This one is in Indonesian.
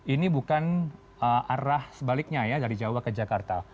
ini bukan arah sebaliknya ya dari jawa ke jakarta